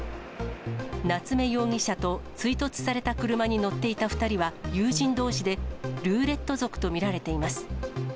夏目容疑者と追突された車に乗っていた２人は、友人どうしで、ルーレット族と見られています。